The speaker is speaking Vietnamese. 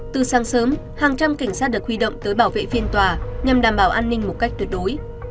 từ sáng sớm hàng trăm cảnh sát được huy động tới bảo vệ phiên tòa nhằm đảm bảo an ninh một cách tuyệt đối